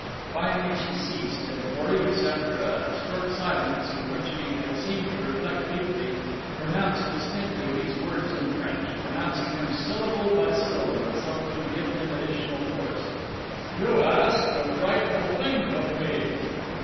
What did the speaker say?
Finally she ceased, and Boris, after a short silence, in which he had seemed to reflect deeply, pronounced distinctly these words in French, pronouncing them syllable by syllable, as though to give them additional force: "You ask a frightful thing of me."